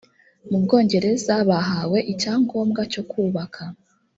mu bwongereza bahawe icyangombwa cyo kubaka